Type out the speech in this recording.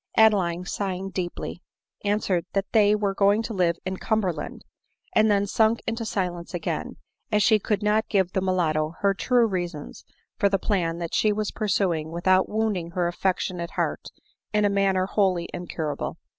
Adeline, sighing deeply, answered, that they were going to live in Cumberland ; and then sunk into silence again, as she could not give the mulatto her true reasons for the plan that she was pursuing without wounding her affectionate heart in a manner wholly incurable.